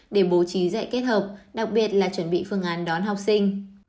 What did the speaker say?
để bố trí dạy kết hợp đặc biệt là chuẩn bị phương án đón học sinh